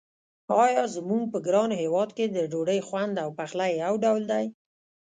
آیا زموږ په ګران هېواد کې د ډوډۍ خوند او پخلی یو ډول دی.